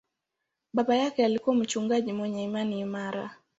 Baba yake alikuwa mchungaji mwenye imani imara.